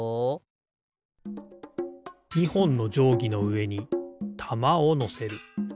２ほんのじょうぎのうえにたまをのせる。